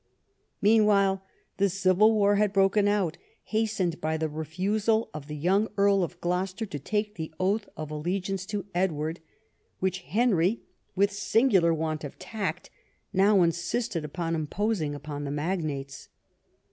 Meanwhile the civil war had broken out, hastened by the refusal of the young Earl of Gloucester to take the oath of allegiance to Edward, which Henry, with singular Avant of tact, now insisted upon imposing upon the magnates.